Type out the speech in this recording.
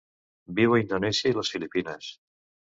Viu a Indonèsia i les Filipines.